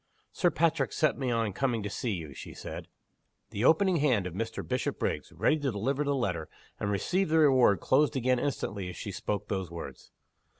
"Sir Patrick set me on coming to you," she said. The opening hand of Mr. Bishopriggs ready to deliver the letter, and receive the reward closed again instantly as she spoke those words.